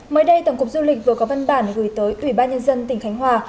mới đây tổng cục du lịch vừa có văn bản gửi tới ủy ban nhân dân tỉnh khánh hòa